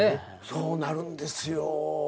そうなるんですよ。